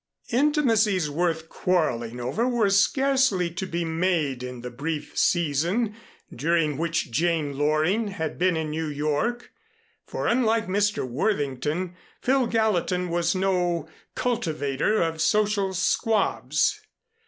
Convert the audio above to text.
Intimacies worth quarreling over were scarcely to be made in the brief season during which Jane Loring had been in New York, for unlike Mr. Worthington, Phil Gallatin was no cultivator of social squabs.